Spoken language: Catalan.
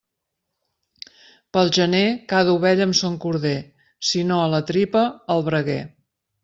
Pel gener, cada ovella amb son corder; si no a la tripa al braguer.